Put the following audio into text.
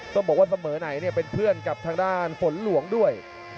ต้องบอกว่าเสมอไหนเป็นเพื่อนกับทางด้านฝนหลวงด้วย